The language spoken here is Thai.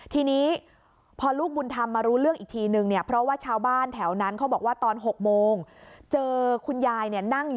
ทีนี้พอลูกบุญธรรมมารู้เรื่องอีกทีหนึ่ง